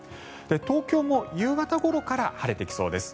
東京も夕方ごろから晴れてきそうです。